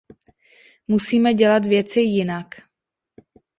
Musíme dělat věci jinak.